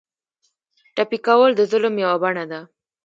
ټپي کول د ظلم یوه بڼه ده.